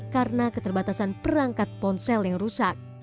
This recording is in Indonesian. karena keterbatasan perangkat ponsel yang rusak